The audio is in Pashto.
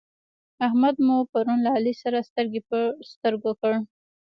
احمد مو پرون له علي سره سترګې پر سترګو کړ.